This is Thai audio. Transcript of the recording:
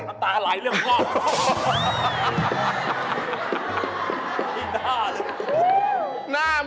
น้ำตาไหลเรื่องพ่อเลย